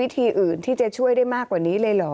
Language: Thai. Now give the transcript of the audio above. ที่จะช่วยได้มากกว่านี้เลยเหรอ